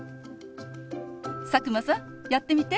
佐久間さんやってみて。